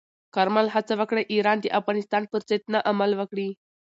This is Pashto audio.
کارمل هڅه وکړه، ایران د افغانستان پر ضد نه عمل وکړي.